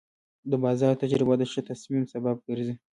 د بازار تجربه د ښه تصمیم سبب ګرځي.